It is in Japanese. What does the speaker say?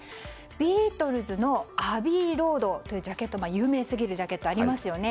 ビートルズの「アビイ・ロード」という有名すぎるジャケットありますよね。